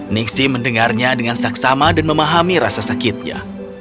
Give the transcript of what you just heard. nixi mendengarnya dengan saksama dan memahami rasa sakitnya